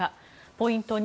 ポイント２